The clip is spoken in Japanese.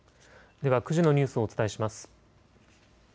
では９時のニュースをお伝えします。